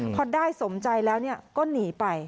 พอได้สมใจแล้วก็หนีไป